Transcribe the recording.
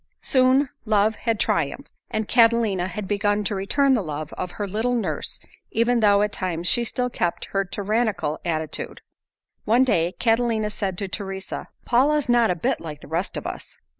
Soon love had triumphed, and Catalina had begun to return the love of her little nurse even though at times she still kept her tyrannical attitude. One day Catalina said to Teresa, "Paula's not a bit like the rest of us."